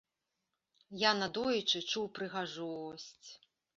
Я надоечы чуў прыгажосць.